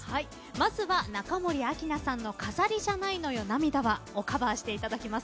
まずは中森明菜さんの「飾りじゃないのよ涙は」をカバーしていただきます